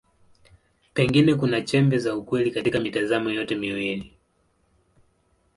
Pengine kuna chembe za ukweli katika mitazamo yote miwili.